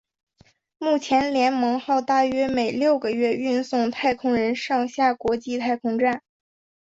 目前联盟号大约每六个月运送太空人上下国际太空站。